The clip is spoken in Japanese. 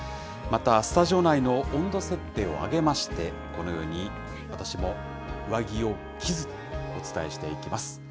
またスタジオ内の温度設定を上げまして、このように私も上着を着ず、お伝えしていきます。